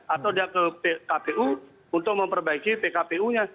atau dia ke kpu untuk memperbaiki pkpu nya